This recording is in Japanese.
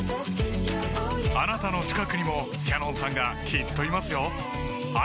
あなたの近くにもＣａｎｏｎさんがきっといますよ